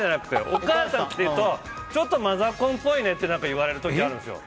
お母さんって言うとちょっとマザコンっぽいねって言われる時があるんですよ。